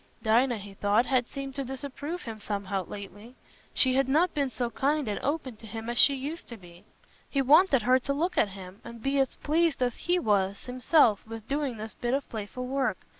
Dinah, he thought, had seemed to disapprove him somehow lately; she had not been so kind and open to him as she used to be. He wanted her to look at him, and be as pleased as he was himself with doing this bit of playful work.